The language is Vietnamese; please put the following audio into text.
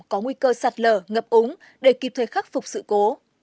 có nguy cơ sạt lở ngập úng để kịp thời khắc phục sự cố